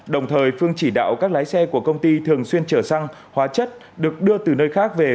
đồng thời phương chỉ đạo các lái xe của công ty thường xuyên chở xăng hóa chất được đưa từ nơi khác về